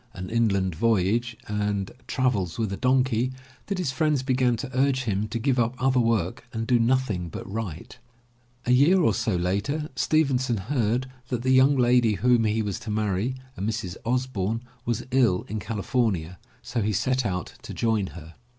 An Inland Voyage, and Travels With A Donkey, that his friends began to urge him to give up other work and do nothing but write. A year or so later, Stevenson heard that the young lady whom he was to marry, a Mrs. Osboume, was ill in California, so he set out to join her.